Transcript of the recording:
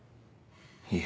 いえ。